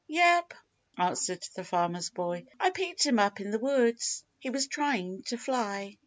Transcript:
"Yep," answered the Farmer's Boy. "I picked him up in the woods; he was tryin' to fly."